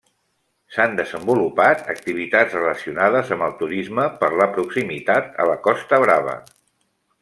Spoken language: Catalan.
S'han desenvolupat activitats relacionades amb el turisme per la proximitat a la Costa Brava.